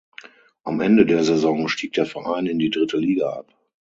Am Ende der Saison stieg der Verein in die dritte Liga ab.